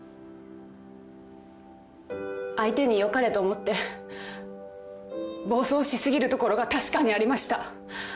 相手によかれと思って暴走し過ぎるところが確かにありました。